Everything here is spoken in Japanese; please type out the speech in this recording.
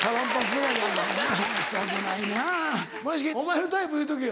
村重お前のタイプ言うとけよ。